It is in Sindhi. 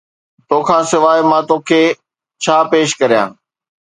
توکان سواءِ مان توکي ڇا پيش ڪريان؟